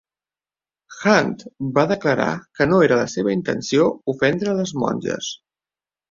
Hunt va declarar que no era la seva intenció ofendre les monges.